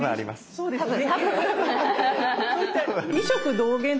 そうですね。